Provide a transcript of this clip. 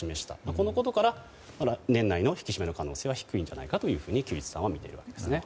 このことから年内の引き締めの可能性は低いんじゃないかと木内さんは見ていますね。